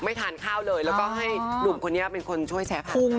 ไม่ทานข้าวเลยให้นุ่มคนนี้เป็นคนช่วยแชร์ภาษา